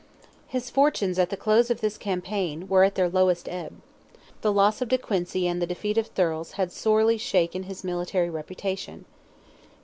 His fortunes at the close of this campaign, were at their lowest ebb. The loss of de Quincy and the defeat of Thurles had sorely shaken his military reputation.